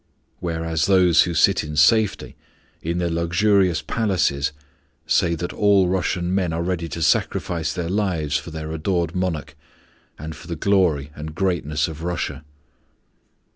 Whereas those who sit in safety in their luxurious palaces say that all Russian men are ready to sacrifice their lives for their adored Monarch, and for the glory and greatness of Russia.